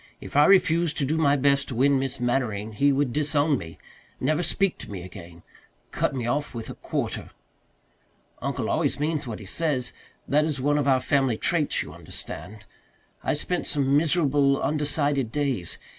If I refused to do my best to win Miss Mannering he would disown me never speak to me again cut me off with a quarter. Uncle always means what he says that is one of our family traits, you understand. I spent some miserable, undecided days.